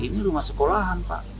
ini rumah sekolahan pak